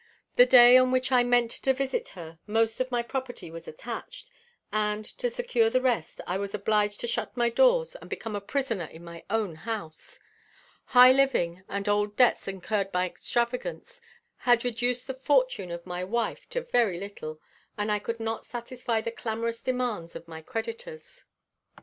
The day on which I meant to visit her, most of my property was attached, and, to secure the rest, I was obliged to shut my doors and become a prisoner in my own house. High living, and old debts incurred by extravagance, had reduced the fortune of my wife to very little, and I could not satisfy the clamorous demands of my creditors.